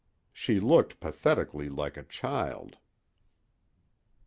She looked pathetically like a child.